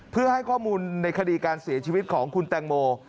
เพื่อให้ข้อมูลในคดีการเสียชีวิตของคุณแตงโม